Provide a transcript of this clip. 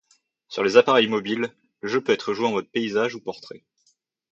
Sur les appareils mobiles, le jeu peut être joué en mode paysage ou portrait.